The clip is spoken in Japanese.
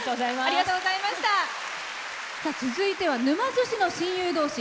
続いては沼津市の親友同士。